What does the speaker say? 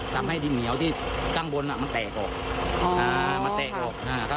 ทำให้ดินเหนียวที่ตั้งบนมันแตกออก